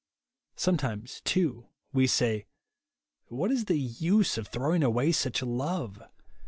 Sometimes, too» we say, What is the use of throwing away such love